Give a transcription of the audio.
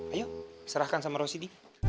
ayo serahkan sama rosidi